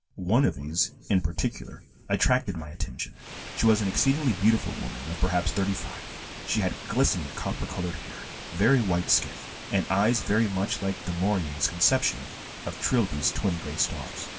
One of these in particular attracted my attention; she was an exceedingly beautiful woman of perhaps thirty five; she had glistening copper colored hair, very white skin, and eyes very much like Du Maurier's conception of Trilby's "twin gray stars."